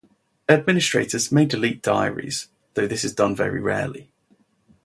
Administrators may delete diaries, though this is done very rarely.